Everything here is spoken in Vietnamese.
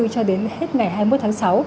cho đến hết ngày hai mươi một tháng sáu